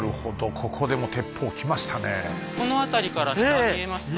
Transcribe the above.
この辺りから下見えますよね。